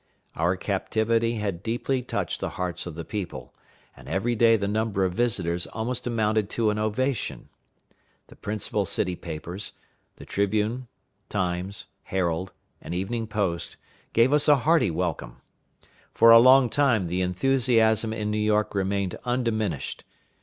Our captivity had deeply touched the hearts of the people, and every day the number of visitors almost amounted to an ovation. The principal city papers, the Tribune, Times, Herald, and Evening Post, gave us a hearty welcome. For a long time the enthusiasm in New York remained undiminished.